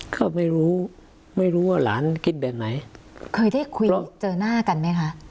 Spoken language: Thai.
เขาไม่รู้ไม่รู้ว่าหลานคิดแบบไหนเคยได้คุยเจอหน้ากันไหมคะ